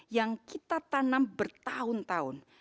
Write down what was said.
yang kita tanam bertahun tahun